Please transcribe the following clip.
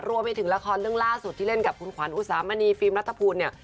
รวมไปถึงละครเรื่องล่าสุดที่เล่นกับคุณขวัญอุสามณีฟิล์มรัฐภูมิเนี่ย